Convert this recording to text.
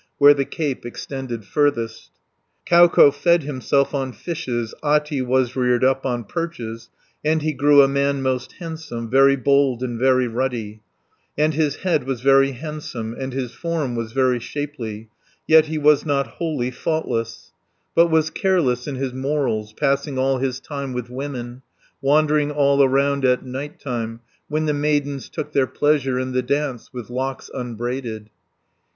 Where the cape extended furthest, Kauko fed himself on fishes, Ahti was reared up on perches, 10 And he grew a man most handsome, Very bold and very ruddy, And his head was very handsome, And his form was very shapely, Yet he was not wholly faultless, But was careless in his morals, Passing all his time with women, Wandering all around at night time, When the maidens took their pleasure In the dance, with locks unbraided.